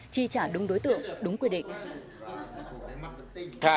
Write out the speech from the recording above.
chi trả đúng đối tượng đúng quy định